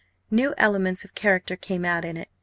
New elements of character came out in it.